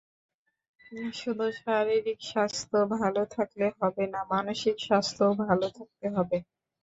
শুধু শারীরিক স্বাস্থ্য ভালো থাকলে হবে না, মানসিক স্বাস্থ্যও ভালো থাকতে হবে।